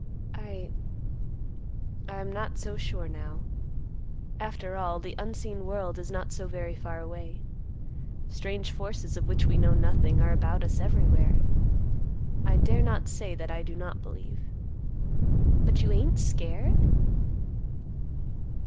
I—I am not so sure now. After all, the unseen world is not so very far away. Strange forces, of which we know nothing, are about us everywhere. I dare not say that I do not believe." "But you ain't scared?"